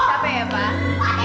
capek ya pak